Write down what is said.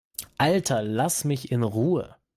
Alter, lass mich in Ruhe!